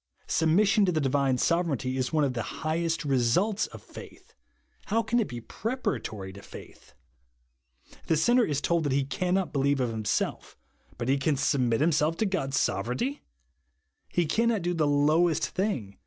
Submission to the divine sove reignty is one of the highest results of faith, — how can it be preparatory to faith ? The sinner is told that lie '* cannot believe " of himself, but he can submit him self to God's sovereignty ! He cannot do the lowest thing, l)!